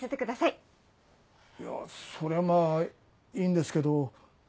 いやそれはまぁいいんですけど。